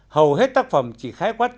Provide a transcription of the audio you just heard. hầu hết tác phẩm chỉ khái quát